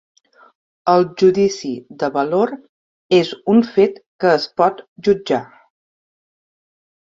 El judici de valor és un fet que es pot jutjar.